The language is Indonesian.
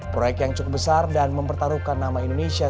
proyek yang cukup besar dan mempertaruhkan nama indonesia